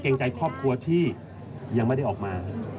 ใจครอบครัวที่ยังไม่ได้ออกมา